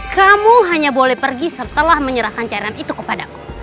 kamu hanya boleh pergi setelah menyerahkan caraan itu kepada